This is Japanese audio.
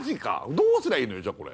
どうすりゃいいのよじゃこれ。